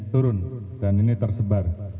turun dan ini tersebar